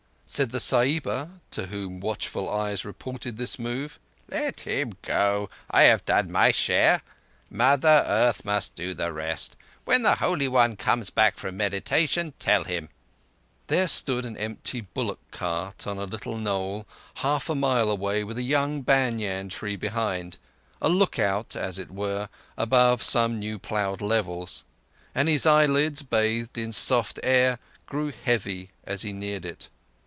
Said the Sahiba, to whom watchful eyes reported this move: "Let him go. I have done my share. Mother Earth must do the rest. When the Holy One comes back from meditation, tell him." There stood an empty bullock cart on a little knoll half a mile away, with a young banyan tree behind—a look out, as it were, above some new ploughed levels; and his eyelids, bathed in soft air, grew heavy as he neared it.